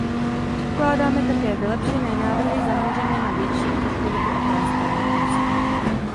Předkládáme také vylepšené návrhy zaměřené na větší efektivitu a transparentnost.